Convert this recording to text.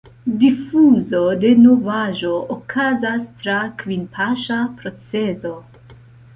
Difuzo de novaĵo okazas tra kvin–paŝa procezo.